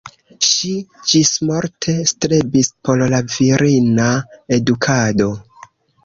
Ŝi ĝismorte strebis por la virina edukado.